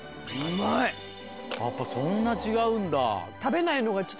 やっぱそんな違うんだ。